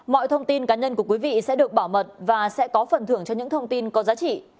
mọi thông tin cá nhân của quý vị sẽ được bảo mật và sẽ có phần thưởng cho những thông tin có giá trị